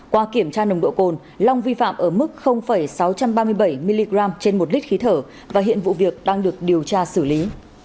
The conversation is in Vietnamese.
qua kiểm tra nồng độ cồn long vi phạm ở mức sáu trăm ba mươi bảy mg trên một lít khí thở và hiện vụ việc đang được điều tra xử lý